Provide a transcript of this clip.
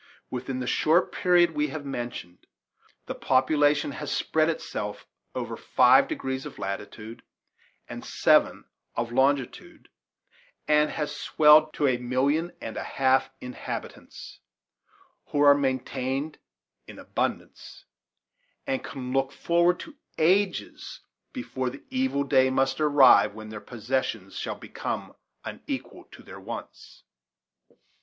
Within the short period we have mentioned, the population has spread itself over five degrees of latitude and seven of longitude, and has swelled to a million and a half of inhabitants, who are maintained in abundance, and can look forward to ages before the evil day must arrive when their possessions shall become unequal to their wants.